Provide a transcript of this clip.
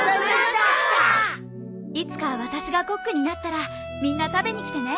いつか私がコックになったらみんな食べに来てね。